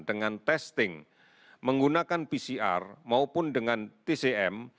dengan testing menggunakan pcr maupun dengan tcm